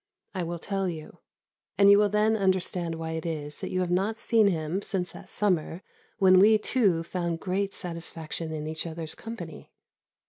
I will tell you, and you will then understand why it is that you have not seen him since that summer when we too found great satisfaction in each other's company.